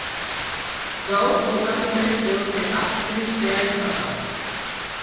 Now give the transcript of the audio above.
Gaur jokatu den neurketa tristea izan da.